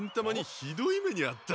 ひどい目にあった。